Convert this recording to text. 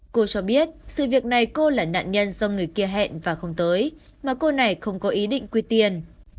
cô cho biết sự việc này cô là nạn nhân do người kia hẹn và không tới mà cô này không có ý định quy tiền